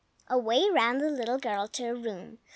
Away ran the little girl to her room.